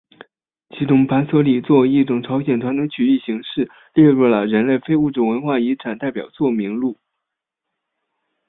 其中盘索里作为一种朝鲜传统曲艺形式列入了人类非物质文化遗产代表作名录。